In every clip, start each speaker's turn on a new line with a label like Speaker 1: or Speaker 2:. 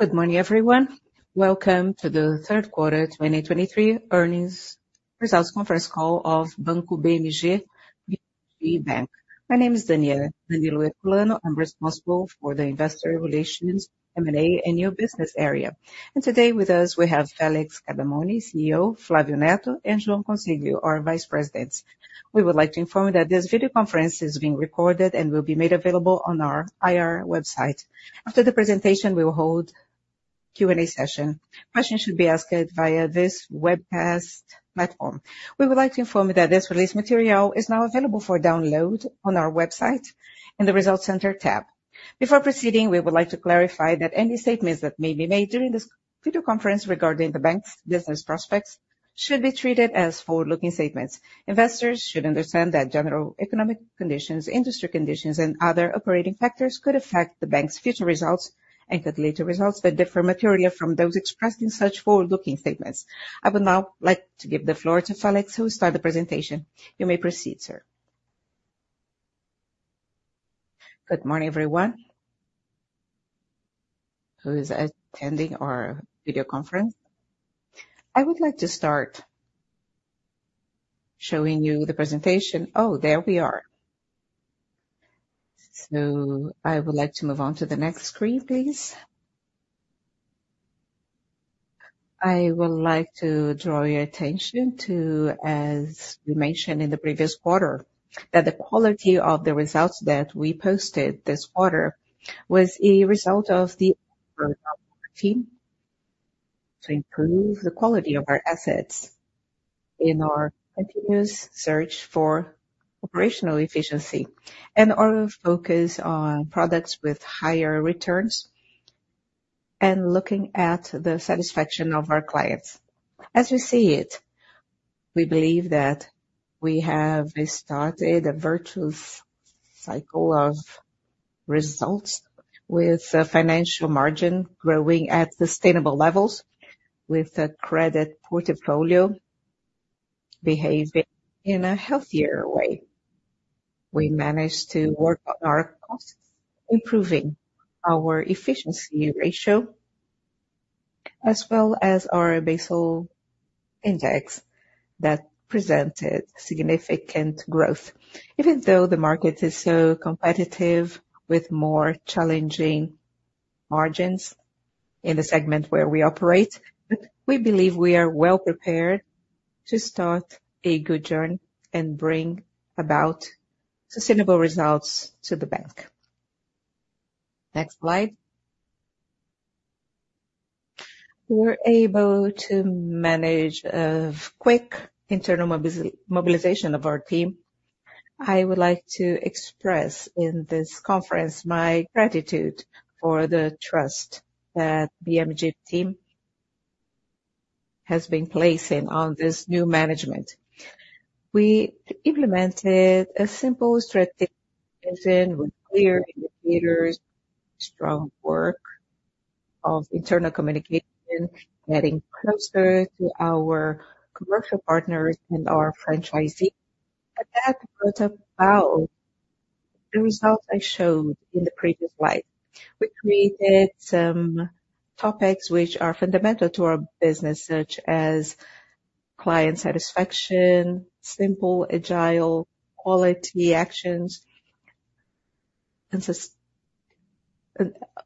Speaker 1: Good morning, everyone. Welcome to the third quarter 2023 earnings results conference call of Banco BMG, BMG Bank. My name is Danilo Herculano. I'm responsible for the investor relations, M&A, and new business area. Today with us, we have Felix Cardamone, CEO, Flávio Neto, and João Consiglio, our vice presidents. We would like to inform you that this video conference is being recorded and will be made available on our IR website. After the presentation, we will hold Q&A session. Questions should be asked via this webcast platform. We would like to inform you that this release material is now available for download on our website in the Results Center tab. Before proceeding, we would like to clarify that any statements that may be made during this video conference regarding the bank's business prospects should be treated as forward-looking statements. Investors should understand that general economic conditions, industry conditions, and other operating factors could affect the bank's future results, and could lead to results that differ materially from those expressed in such forward-looking statements. I would now like to give the floor to Felix, who will start the presentation. You may proceed, sir.
Speaker 2: Good morning, everyone who is attending our video conference. I would like to start showing you the presentation. Oh, there we are. I would like to move on to the next screen, please. I would like to draw your attention to, as we mentioned in the previous quarter, that the quality of the results that we posted this quarter was a result of the team to improve the quality of our assets in our continuous search for operational efficiency and our focus on products with higher returns and looking at the satisfaction of our clients. As we see it, we believe that we have started a virtuous cycle of results, with a financial margin growing at sustainable levels, with the credit portfolio behaving in a healthier way. We managed to work on our costs, improving our efficiency ratio, as well as our Basel index, that presented significant growth. Even though the market is so competitive, with more challenging margins in the segment where we operate, but we believe we are well prepared to start a good journey and bring about sustainable results to the bank. Next slide. We were able to manage a quick internal mobilization of our team. I would like to express in this conference my gratitude for the trust that BMG team has been placing on this new management. We implemented a simple strategic decision with clear indicators, strong work of internal communication, getting closer to our commercial partners and our franchisees. That brought about the results I showed in the previous slide. We created some topics which are fundamental to our business, such as client satisfaction, simple, agile, quality actions, and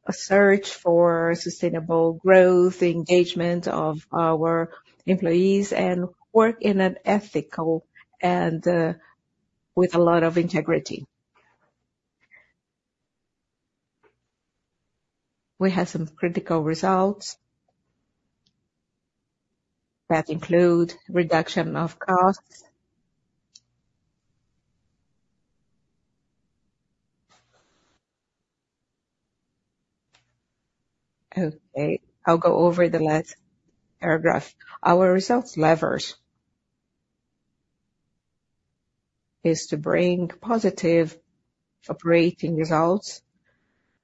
Speaker 2: a search for sustainable growth, engagement of our employees, and work in an ethical and with a lot of integrity. We had some critical results that include reduction of costs. Okay, I'll go over the last paragraph. Our results levers is to bring positive operating results,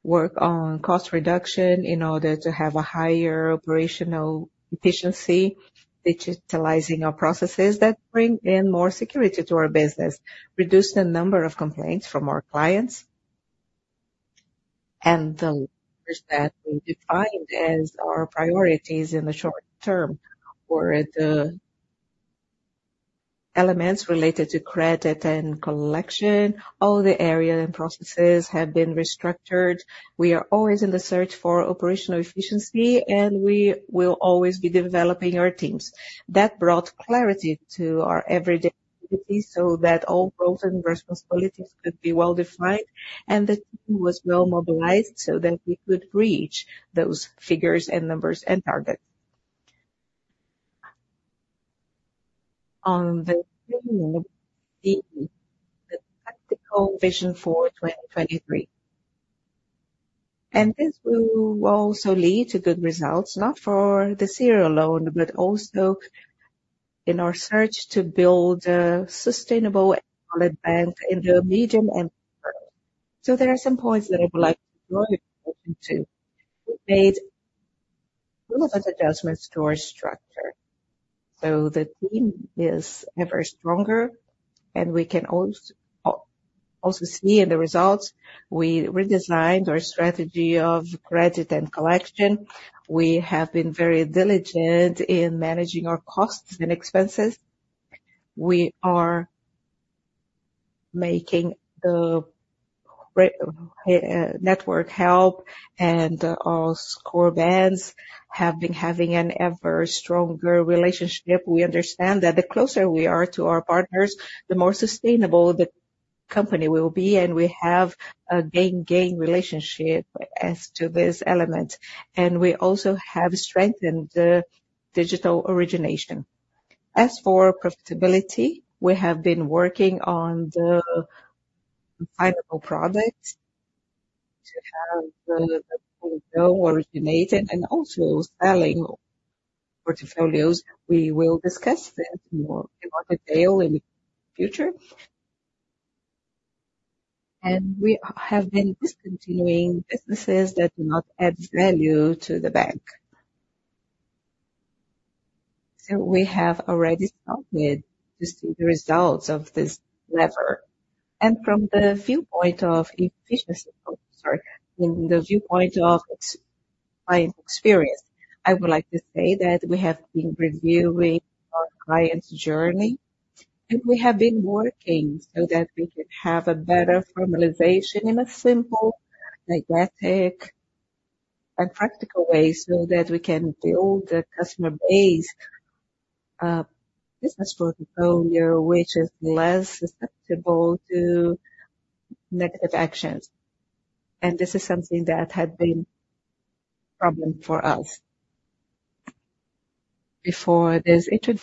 Speaker 2: work on cost reduction in order to have a higher operational efficiency, digitalizing our processes that bring in more security to our business, reduce the number of complaints from our clients, and the levers that we defined as our priorities in the short term, or the elements related to credit and collection. All the area and processes have been restructured. We are always in the search for operational efficiency, and we will always be developing our teams. That brought clarity to our everyday activities so that all roles and responsibilities could be well-defined, and the team was well mobilized so that we could reach those figures and numbers and targets. On the practical vision for 2023, and this will also lead to good results, not for this year alone, but also in our search to build a sustainable bank in the medium and long term. So there are some points that I would like to draw your attention to. We made little adjustments to our structure. So the team is ever stronger, and we can also see in the results. We redesigned our strategy of credit and collection. We have been very diligent in managing our costs and expenses. We are making the Help! network, and all score bands have been having an ever stronger relationship. We understand that the closer we are to our partners, the more sustainable the company will be, and we have a gain-gain relationship as to this element. And we also have strengthened the digital origination. As for profitability, we have been working on the final product to have the originated and also selling portfolios. We will discuss that more in detail in the future. We have been discontinuing businesses that do not add value to the bank. So we have already started to see the results of this lever. From the viewpoint of efficiency, oh, sorry, from the viewpoint of client experience, I would like to say that we have been reviewing our client's journey, and we have been working so that we can have a better formalization in a simple, pragmatic, and practical way, so that we can build a customer base, business portfolio, which is less susceptible to negative actions. This is something that had been problem for us before this intro.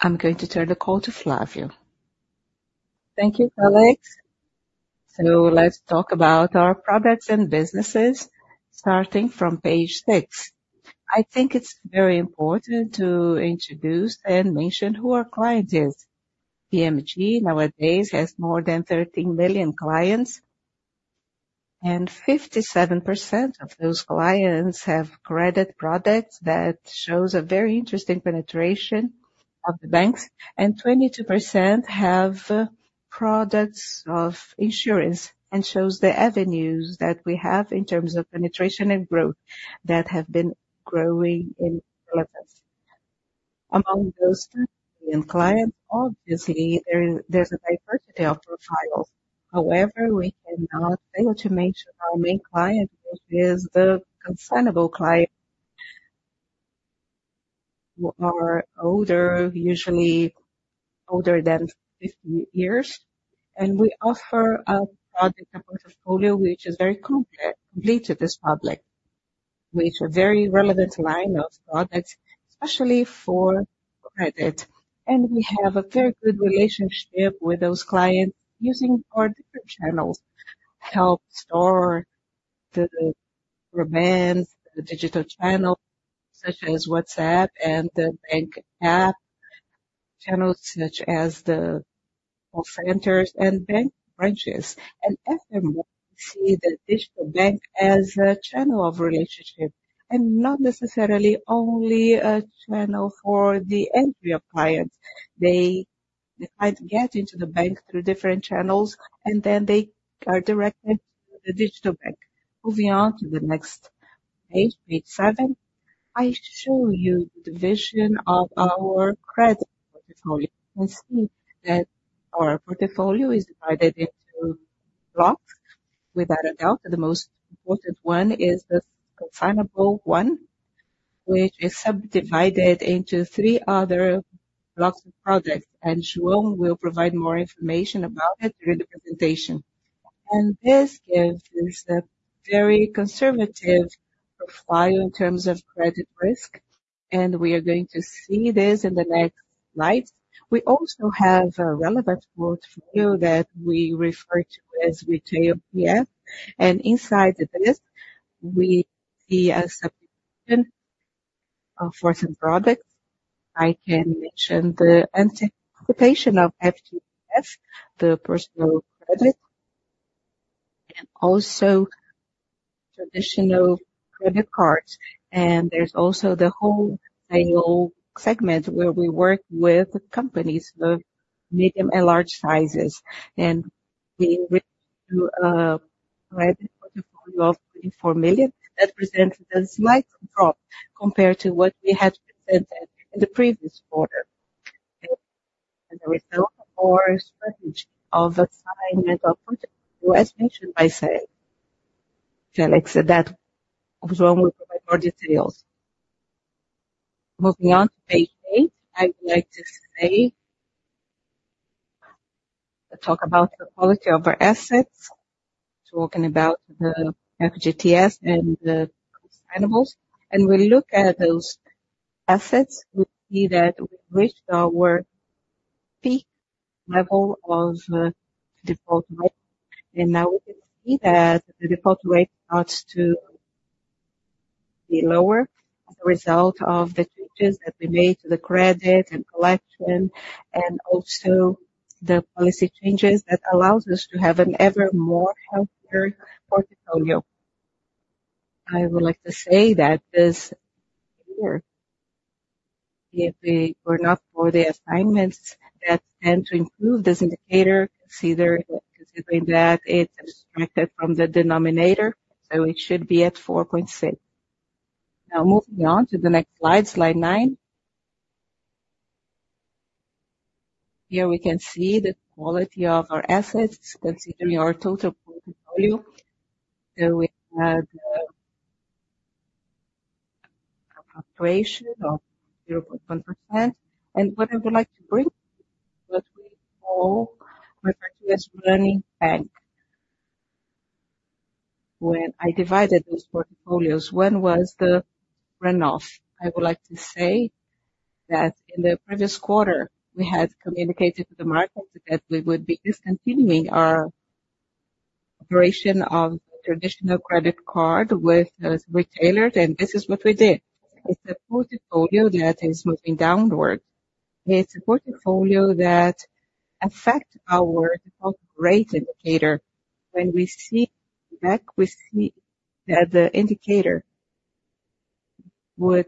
Speaker 2: I'm going to turn the call to Flávio.
Speaker 3: Thank you, Felix. So let's talk about our products and businesses, starting from page 6. I think it's very important to introduce and mention who our client is. BMG, nowadays, has more than 13 million clients, and 57% of those clients have credit products that shows a very interesting penetration of the banks, and 22% have products of insurance and shows the avenues that we have in terms of penetration and growth that have been growing in relevance. Among those clients, obviously, there, there's a diversity of profiles. However, we cannot fail to mention our main client, which is the consignable client, who are older, usually older than 50 years. And we offer a product, a portfolio, which is very completed this public, with a very relevant line of products, especially for credit. We have a very good relationship with those clients using our different channels, Help! stores, the branches, the digital channels, such as WhatsApp and the bank app, channels such as the call centers and bank branches. Everyone see the digital bank as a channel of relationship, and not necessarily only a channel for the entry of clients. They might get into the bank through different channels, and then they are directed to the digital bank. Moving on to the next page, page seven, I show you the vision of our credit portfolio. You can see that our portfolio is divided into blocks. Without a doubt, the most important one is the consignable one, which is subdivided into three other blocks of projects, and João will provide more information about it during the presentation. This gives us a very conservative profile in terms of credit risk, and we are going to see this in the next slide. We also have a relevant portfolio that we refer to as retail PF. Inside this, we see a subdivision of certain products. I can mention the anticipation of FGTS, the personal credit, and also traditional credit cards. There's also the wholesale segment, where we work with companies of medium and large sizes, and we reach to a credit portfolio of BRL 24 billion. That presents a slight drop compared to what we had presented in the previous quarter. The result of our strategy of assignment of products, as mentioned by, say, Felix, that João will provide more details. Moving on to page 8, I would like to say. Let's talk about the quality of our assets, talking about the FGTS and the consignables. We look at those assets, we see that we reached our peak level of default rate, and now we can see that the default rate starts to be lower as a result of the changes that we made to the credit and collection, and also the policy changes that allows us to have an ever more healthier portfolio. I would like to say that this year, if we were not for the assignments that tend to improve this indicator, considering that it's extracted from the denominator, so it should be at 4.6. Now, moving on to the next slide, slide 9. Here we can see the quality of our assets, considering our total portfolio. So we had a operation of 0.1%. And what I would like to bring, what we all refer to as legacy bank. When I divided those portfolios, one was the runoff. I would like to say that in the previous quarter, we had communicated to the market that we would be discontinuing our operation of traditional credit card with those retailers, and this is what we did. It's a portfolio that is moving downward. It's a portfolio that affect our default rate indicator. When we see back, we see that the indicator would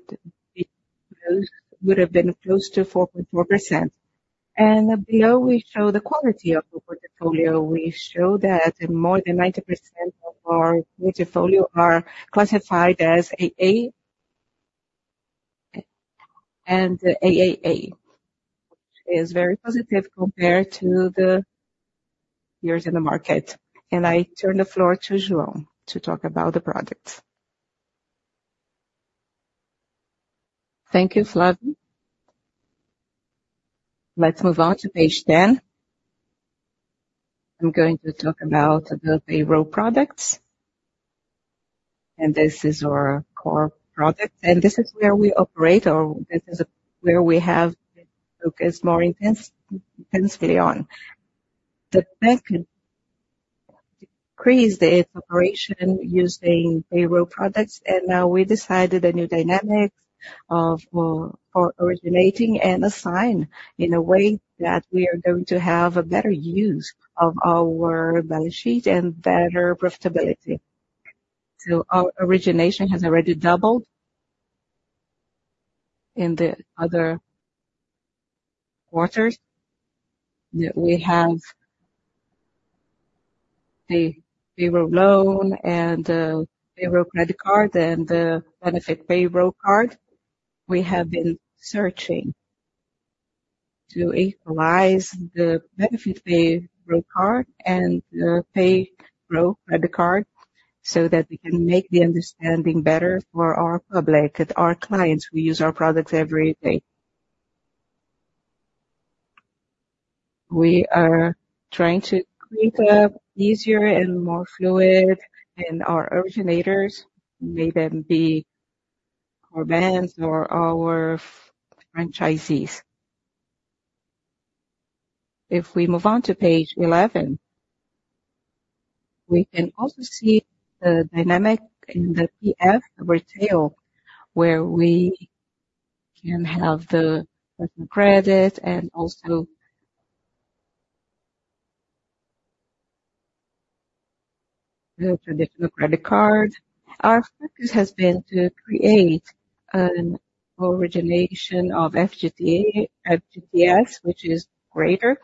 Speaker 3: have been close to 4.4%. Below, we show the quality of the portfolio. We show that more than 90% of our portfolio are classified as AA and AAA, which is very positive compared to the years in the market. I turn the floor to João to talk about the products.
Speaker 4: Thank you, Flávio. Let's move on to page 10. I'm going to talk about the payroll products, and this is our core product, and this is where we operate, or this is where we have focused more intense, intensely on. The bank decreased its operation using payroll products, and now we decided a new dynamic of, for originating and assign in a way that we are going to have a better use of our balance sheet and better profitability. So our origination has already doubled in the other quarters, that we have the payroll loan and the payroll credit card and the benefit payroll card. We have been searching to equalize the benefit payroll card and the payroll credit card, so that we can make the understanding better for our public and our clients who use our products every day. We are trying to create an easier and more fluid in our originators, be they our banks or our franchisees. If we move on to page 11, we can also see the dynamic in the PF retail, where we can have the personal credit and also, the traditional credit card. Our focus has been to create an origination of FGTS, which is greater,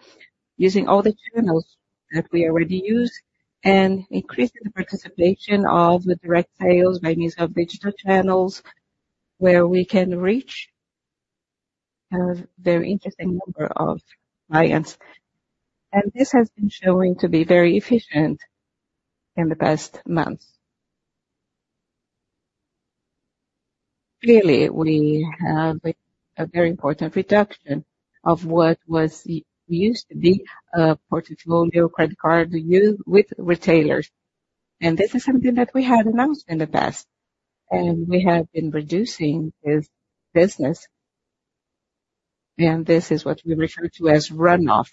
Speaker 4: using all the channels that we already use and increasing the participation of the direct sales by means of digital channels, where we can reach a very interesting number of clients. And this has been showing to be very efficient in the past months. Clearly, we have a very important reduction of what was used to be a portfolio credit card use with retailers, and this is something that we had announced in the past, and we have been reducing this business, and this is what we refer to as runoff,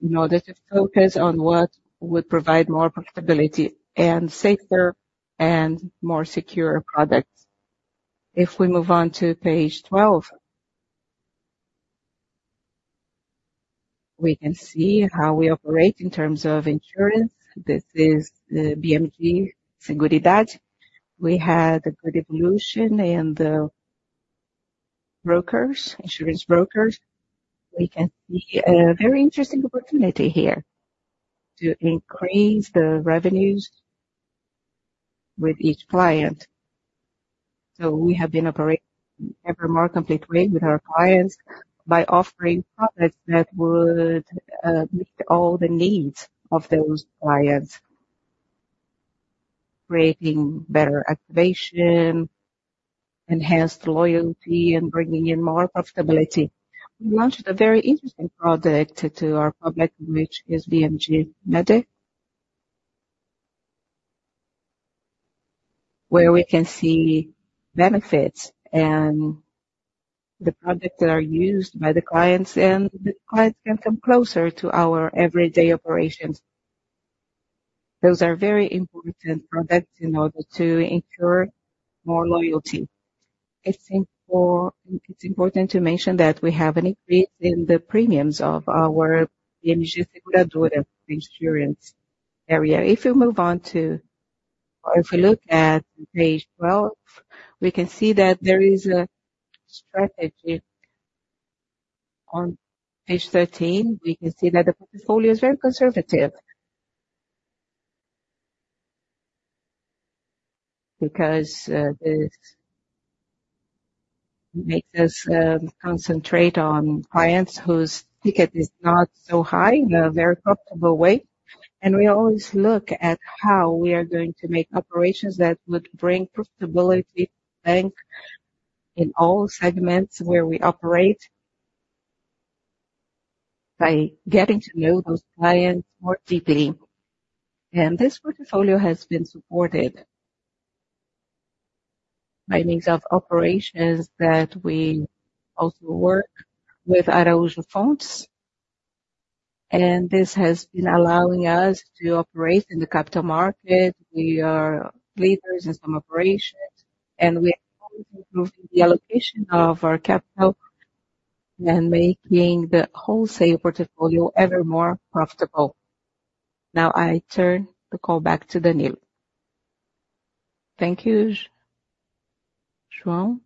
Speaker 4: in order to focus on what would provide more profitability and safer and more secure products. If we move on to page 12, we can see how we operate in terms of insurance. This is the BMG Seguridade. We had a good evolution in the brokers, insurance brokers. We can see a very interesting opportunity here to increase the revenues with each client. So we have been operating ever more completely with our clients by offering products that would meet all the needs of those clients, creating better activation, enhanced loyalty, and bringing in more profitability. We launched a very interesting product to our public, which is BMG Med, where we can see benefits and the products that are used by the clients, and the clients can come closer to our everyday operations. Those are very important products in order to incur more loyalty. It's important to mention that we have an increase in the premiums of our BMG Seguridade experience area. If you look at page 12, we can see that there is a strategy. On page 13, we can see that the portfolio is very conservative. Because this makes us concentrate on clients whose ticket is not so high in a very profitable way. We always look at how we are going to make operations that would bring profitability to the bank in all segments where we operate, by getting to know those clients more deeply. This portfolio has been supported by means of operations that we also work with Araújo Fontes, and this has been allowing us to operate in the capital market. We are leaders in some operations, and we are always improving the allocation of our capital and making the wholesale portfolio ever more profitable. Now, I turn the call back to Danilo.
Speaker 1: Thank you, João.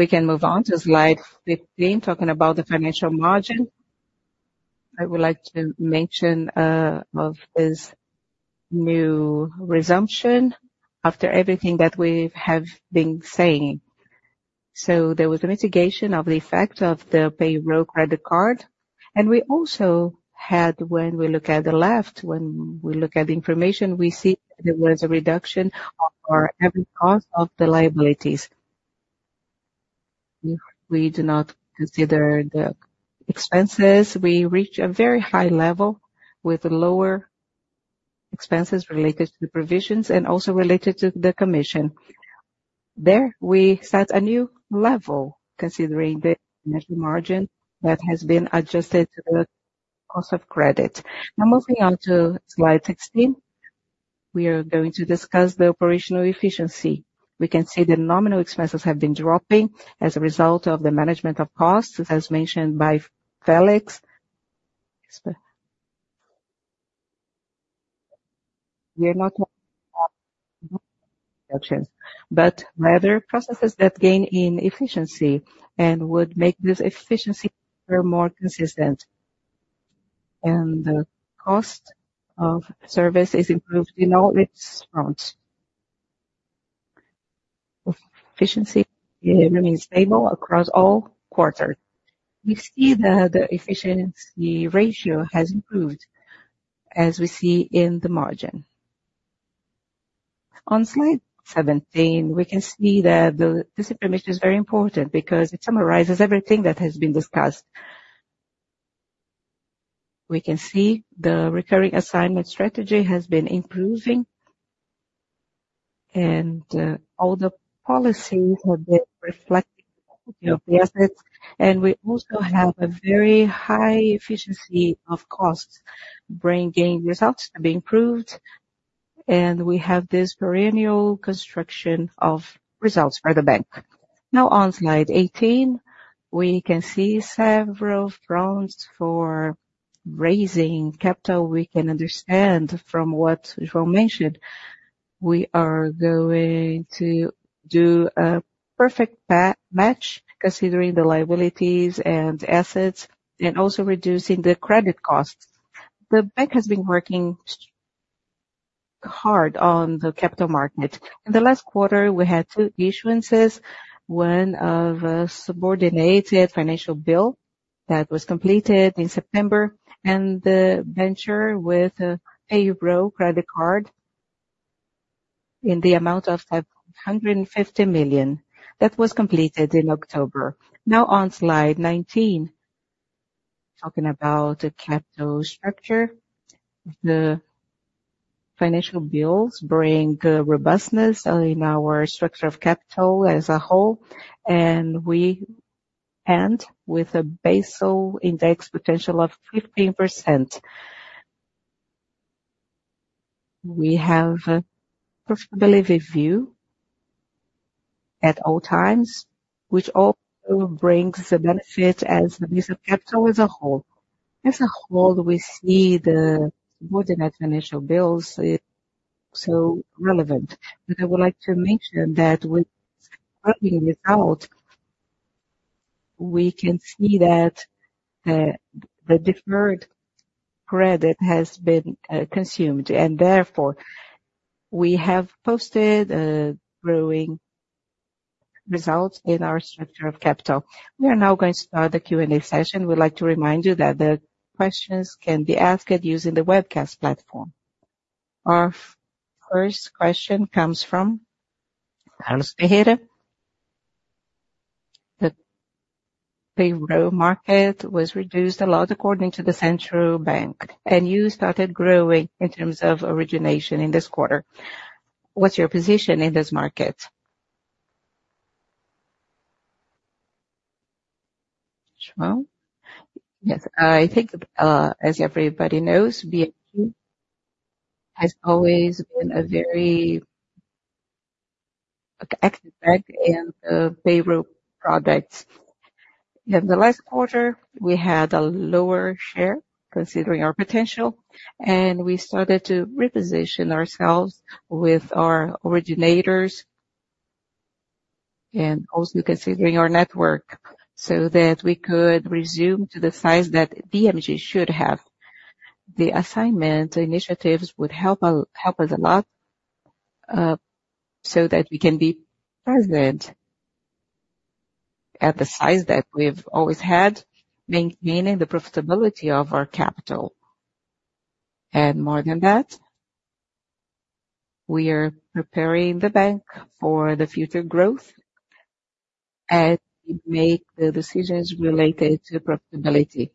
Speaker 1: We can move on to slide 15, talking about the financial margin. I would like to mention of this new resumption after everything that we have been saying. So there was a mitigation of the effect of the payroll credit card, and we also had, when we look at the left, when we look at the information, we see there was a reduction of our average cost of the liabilities. We do not consider the expenses. We reach a very high level with lower expenses related to the provisions and also related to the commission. There, we set a new level, considering the net margin that has been adjusted to the cost of credit. Now, moving on to slide 16, we are going to discuss the operational efficiency. We can see the nominal expenses have been dropping as a result of the management of costs, as mentioned by Felix. We are not but rather processes that gain in efficiency and would make this efficiency more consistent. And the cost of service is improved in all its fronts. Efficiency remains stable across all quarters. We see that the efficiency ratio has improved, as we see in the margin. On slide 17, we can see that this information is very important because it summarizes everything that has been discussed. We can see the recurring assignment strategy has been improving, and all the policies have been reflecting the assets. And we also have a very high efficiency of costs, bringing results to be improved, and we have this perennial construction of results for the bank. Now, on slide 18, we can see several fronts for raising capital. We can understand from what João mentioned, we are going to do a perfect match, considering the liabilities and assets, and also reducing the credit costs. The bank has been working hard on the capital market. In the last quarter, we had two issuances, one of a subordinated financial bill that was completed in September, and the debenture with a payroll credit card in the amount of 150 million. That was completed in October. Now, on slide 19, talking about the capital structure. The financial bills bring robustness in our structure of capital as a whole, and we end with a Basel index potential of 15%. We have a profitability view at all times, which also brings the benefit as the use of capital as a whole. As a whole, we see the subordinate financial bills so relevant, but I would like to mention that with working it out, we can see that the deferred credit has been consumed, and therefore, we have posted growing results in our structure of capital. We are now going to start the Q&A session. We'd like to remind you that the questions can be asked using the webcast platform. Our first question comes from Carlos Pereira.
Speaker 5: The payroll market was reduced a lot according to the central bank, and you started growing in terms of origination in this quarter. What's your position in this market?
Speaker 4: Well, yes, I think, as everybody knows, BMG has always been a very active bank in payroll products. In the last quarter, we had a lower share, considering our potential, and we started to reposition ourselves with our originators and also considering our network, so that we could resume to the size that BMG should have. The assignment initiatives would help us a lot, so that we can be present at the size that we've always had, meaning the profitability of our capital. And more than that, we are preparing the bank for the future growth and make the decisions related to profitability,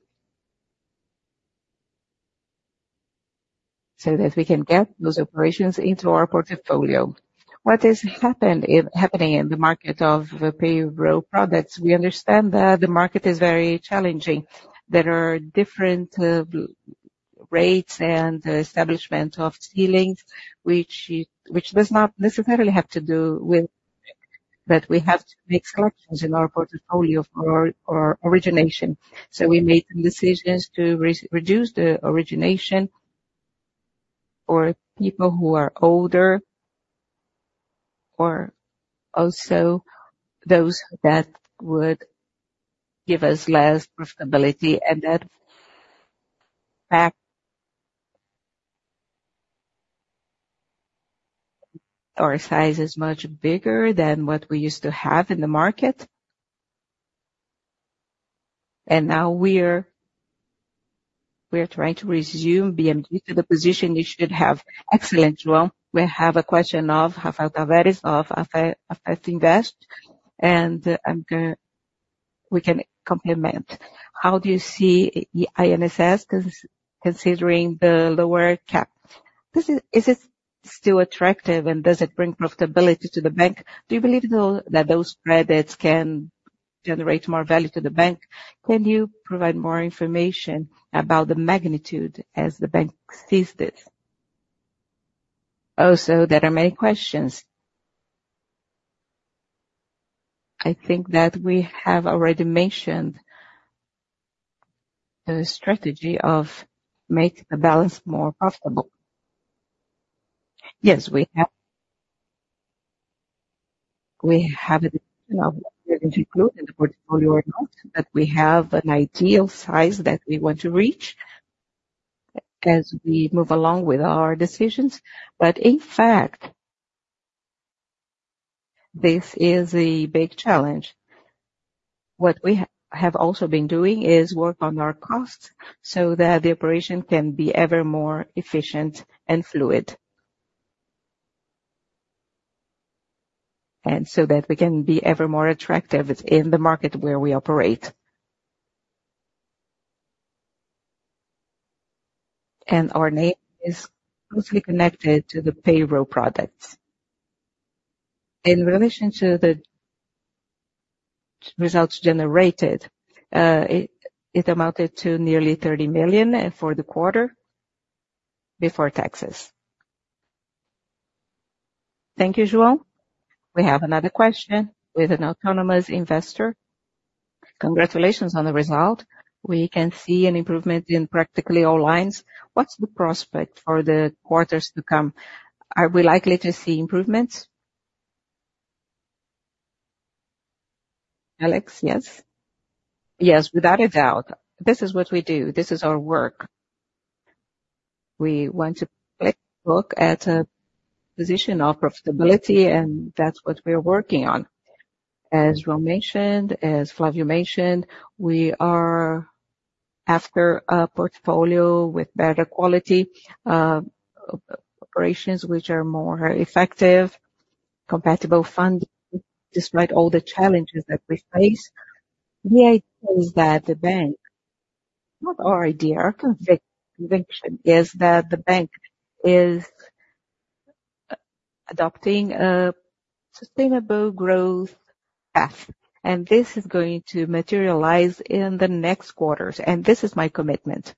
Speaker 4: so that we can get those operations into our portfolio. What is happening in the market of payroll products, we understand that the market is very challenging. There are different rates and establishment of ceilings, which does not necessarily have to do with, but we have to make corrections in our portfolio for our origination. So we're making decisions to reduce the origination for people who are older, or also those that would give us less profitability. And that fact, our size is much bigger than what we used to have in the market. And now we're trying to resume BMG to the position we should have.
Speaker 1: Excellent, João. We have a question of Raphael Tavares of AF Invest, and I'm gonna. We can comment.
Speaker 6: How do you see INSS considering the lower cap? This is. Is it still attractive, and does it bring profitability to the bank? Do you believe, though, that those credits can generate more value to the bank? Can you provide more information about the magnitude as the bank sees this?
Speaker 4: Oh, so there are many questions. I think that we have already mentioned the strategy of making the balance more profitable. Yes, we have, we have the decision of including in the portfolio or not, but we have an ideal size that we want to reach as we move along with our decisions. But in fact, this is a big challenge. What we have also been doing is work on our costs so that the operation can be ever more efficient and fluid. So that we can be ever more attractive in the market where we operate. Our name is closely connected to the payroll products. In relation to the results generated, it, it amounted to nearly 30 million for the quarter, before taxes.
Speaker 1: Thank you, João. We have another question with an autonomous investor.
Speaker 7: Congratulations on the result. We can see an improvement in practically all lines. What's the prospect for the quarters to come? Are we likely to see improvements?
Speaker 1: Felix, yes?
Speaker 2: Yes, without a doubt. This is what we do. This is our work. We want to take a look at a position of profitability, and that's what we're working on. As João mentioned, as Flávio mentioned, we are after a portfolio with better quality, operations, which are more effective, compatible funding, despite all the challenges that we face. The idea is that the bank, not our idea, our conviction is that the bank is adopting a sustainable growth path, and this is going to materialize in the next quarters, and this is my commitment.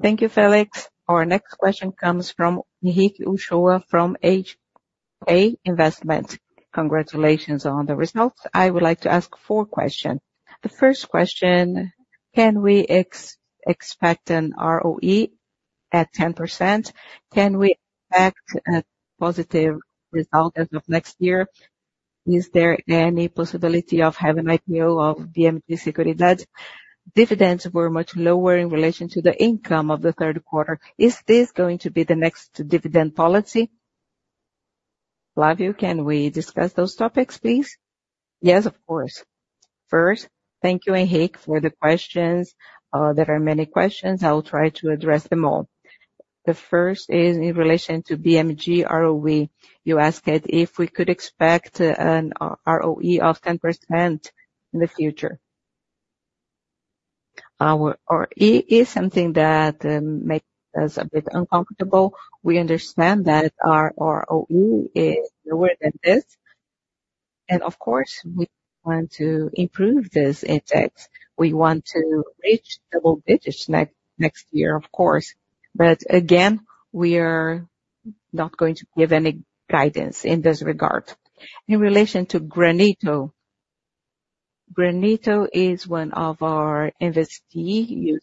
Speaker 1: Thank you, Felix. Our next question comes from Henrique Uchôa from HIX Investment.
Speaker 8: Congratulations on the results. I would like to ask four questions. The first question: Can we expect an ROE at 10%? Can we expect a positive result as of next year? Is there any possibility of having IPO of BMG Seguridade? Dividends were much lower in relation to the income of the third quarter. Is this going to be the next dividend policy?
Speaker 1: Flávio, can we discuss those topics, please?
Speaker 3: Yes, of course. First, thank you, Henrique, for the questions. There are many questions. I will try to address them all. The first is in relation to BMG ROE. You asked that if we could expect an ROE of 10% in the future. Our ROE is something that makes us a bit uncomfortable. We understand that our ROE is lower than this, and of course, we want to improve this index. We want to reach double digits next year, of course. But again, we are not going to give any guidance in this regard. In relation to Granito, Granito is one of our investees,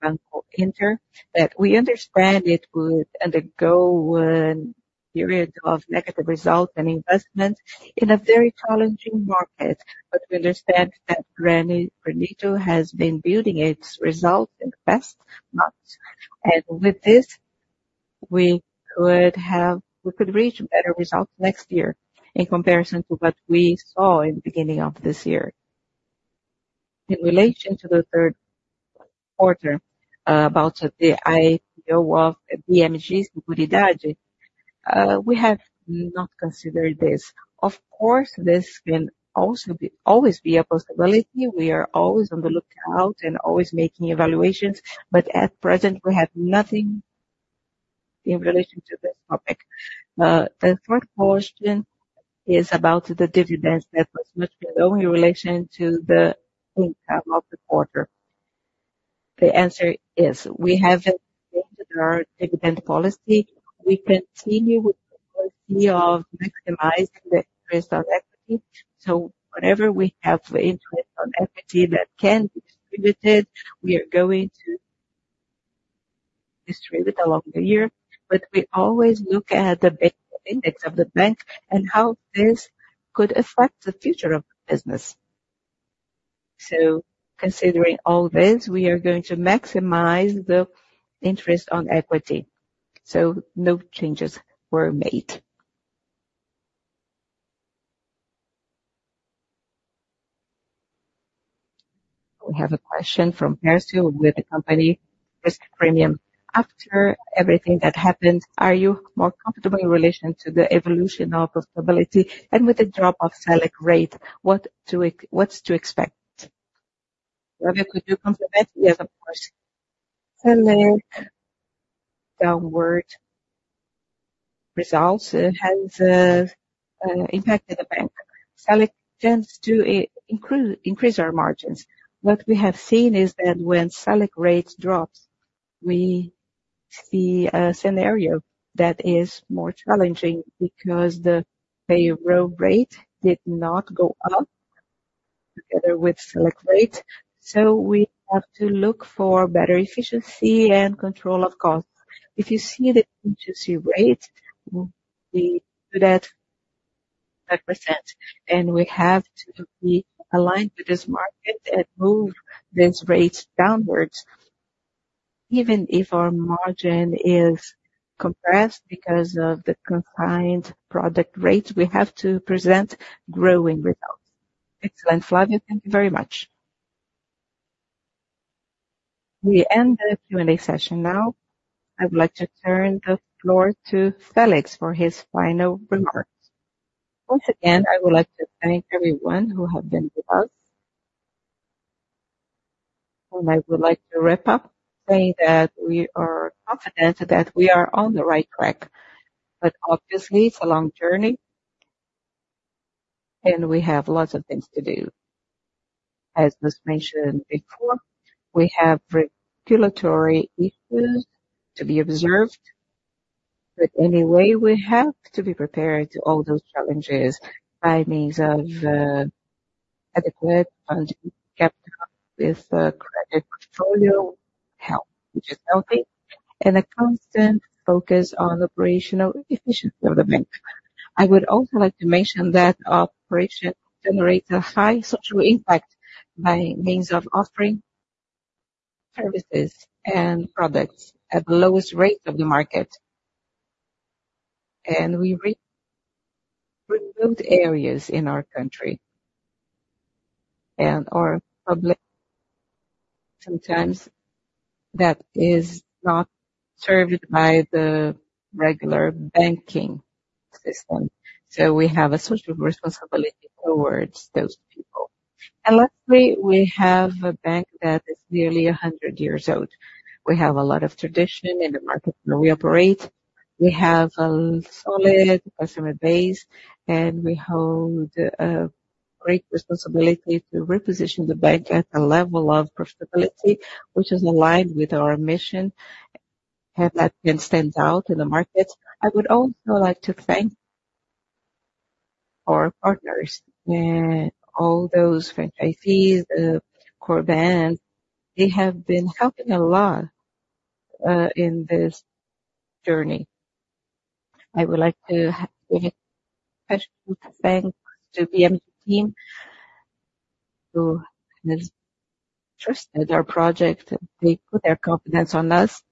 Speaker 3: Banco Inter, that we understand it would undergo a period of negative results and investment in a very challenging market. But we understand that Granito has been building its results in the past months, and with this, we could reach better results next year in comparison to what we saw in the beginning of this year. In relation to the third quarter, about the IPO of BMG's Seguridade, we have not considered this. Of course, this can also be, always be a possibility. We are always on the lookout and always making evaluations, but at present, we have nothing in relation to this topic. The third question is about the dividends that was much below in relation to the income of the quarter. The answer is, we haven't changed our dividend policy. We continue with the policy of maximizing the interest on equity. So whenever we have the interest on equity that can be distributed, we are going to distribute along the year, but we always look at the Basel Index of the bank and how this could affect the future of business. So considering all this, we are going to maximize the interest on equity, so no changes were made.
Speaker 1: We have a question from Pérsio with the company Risk Premium:
Speaker 9: After everything that happened, are you more comfortable in relation to the evolution of profitability and with the drop of Selic rate, what's to expect?
Speaker 1: Flávio, could you come from it?
Speaker 3: Yes, of course. Selic downward results, it has impacted the bank. Selic tends to increase our margins. What we have seen is that when Selic rates drops, we see a scenario that is more challenging because the payroll rate did not go up together with Selic rate. So we have to look for better efficiency and control of cost. If you see the interest rate, we do that 5%, and we have to be aligned with this market and move these rates downwards.
Speaker 1: Even if our margin is compressed because of the consigned product rates, we have to present growing results. Excellent, Flavia, thank you very much. We end the Q&A session now. I'd like to turn the floor to Felix for his final remarks.
Speaker 2: Once again, I would like to thank everyone who have been with us. I would like to wrap up saying that we are confident that we are on the right track, but obviously, it's a long journey, and we have lots of things to do. As was mentioned before, we have regulatory issues to be observed, but anyway, we have to be prepared to all those challenges by means of adequate funding, capital with credit portfolio help, which is healthy, and a constant focus on operational efficiency of the bank. I would also like to mention that our operation generates a high social impact by means of offering services and products at the lowest rates of the market, and we reach remote areas in our country and/or public, sometimes that is not served by the regular banking system. So we have a social responsibility towards those people. And lastly, we have a bank that is nearly 100 years old. We have a lot of tradition in the market, where we operate, we have a solid customer base, and we hold a great responsibility to reposition the bank at a level of profitability which is aligned with our mission, and that can stand out in the market. I would also like to thank our partners, all those franchisees, Corban. They have been helping a lot, in this journey. I would like to have special thanks to BMG team, who has trusted our project, and they put their confidence on us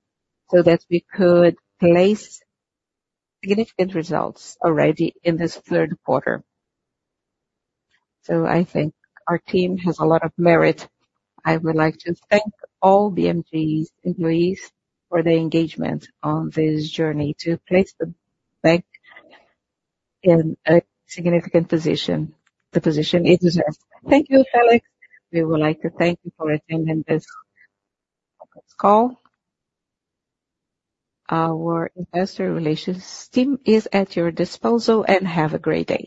Speaker 2: so that we could place significant results already in this third quarter. So I think our team has a lot of merit. I would like to thank all BMG's employees for their engagement on this journey to place the bank in a significant position, the position it deserves.
Speaker 1: Thank you, Felix. We would like to thank you for attending this call. Our investor relations team is at your disposal, and have a great day.